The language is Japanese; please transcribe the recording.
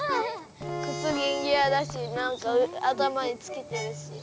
靴ギンギラだし何か頭につけてるし。